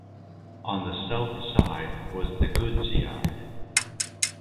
On the south side was the goods yard.